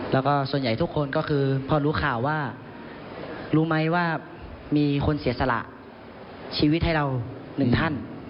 แล้วก็ส่วนใหญ่ทุกคนก็คือพอรู้ข่าวว่ารู้ไหมว่ามีคนเสียสละชีวิตให้เราหนึ่งท่าน